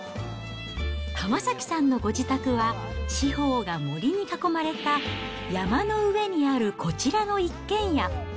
浜崎さんのご自宅は、四方が森に囲まれた山の上にあるこちらの一軒家。